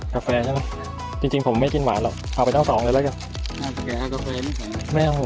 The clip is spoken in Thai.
ใช่ไหมจนจริงผมไม่กินหวานหรอกเอาไปตั้งสองเลยละกันไม่เอา